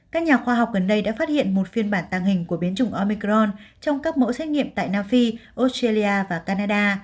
các nhà khoa học gần đây đã phát hiện một phiên bản tàng hình của biến chủng omicron trong các mẫu xét nghiệm tại nam phi australia và canada